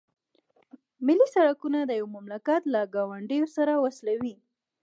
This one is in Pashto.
ملي سرکونه یو مملکت له ګاونډیو سره وصلوي